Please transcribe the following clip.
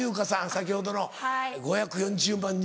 先ほどの５４０万人。